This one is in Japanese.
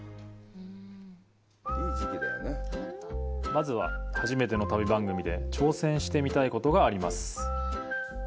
まずは、初めての旅番組で挑戦してみたいことがあります。